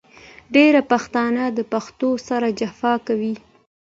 ډېری پښتانه د پښتو سره جفا کوي .